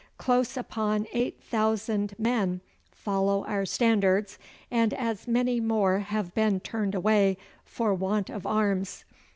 Close upon eight thousand men follow our standards, and as many more have been turned away for want of arms.